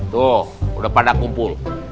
tuh udah pandang kumpul